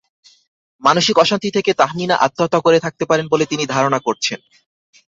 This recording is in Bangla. মানসিক অশান্তি থেকে তাহমিনা আত্মহত্যা করে থাকতে পারেন বলে তিনি ধারণা করছেন।